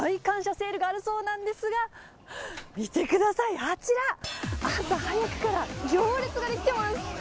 セールがあるそうなんですが、見てください、あちら、朝早くから行列が出来てます。